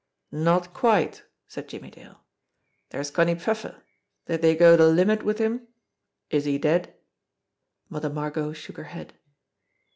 "Not quite !" said Jimmie Dale. "There's Connie Pfeffer. Did they go the limit with him? Is he dead?" Mother Margot shook her head.